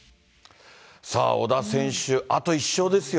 さあ、小田選手、あと１勝ですよ。